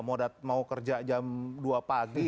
mau kerja jam dua pagi